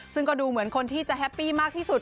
ซึ่งก็ดูเหมือนคนที่จะแฮปปี้มากที่สุด